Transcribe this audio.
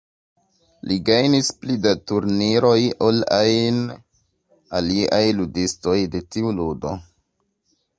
Li gajnis pli da turniroj ol ajn aliaj ludistoj de tiu ludo.